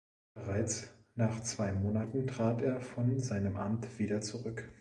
Bereits nach zwei Monaten trat er von seinem Amt wieder zurück.